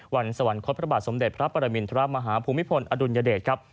สวรรคตพระบาทสมเด็จพระปรมินทรมาฮภูมิพลอดุลยเดชครับ